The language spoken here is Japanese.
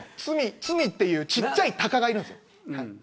ツミという小っちゃいタカがいるんですよ。